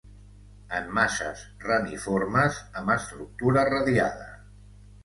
En masses reniformes amb estructura radiada.